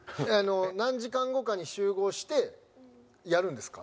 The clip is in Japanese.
何時間後かに集合してやるんですか？